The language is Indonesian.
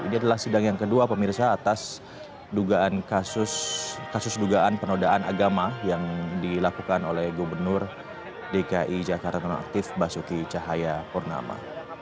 ini adalah sidang yang kedua pemirsa atas kasus dugaan penodaan agama yang dilakukan oleh gubernur dki jakarta nonaktif basuki cahaya purnama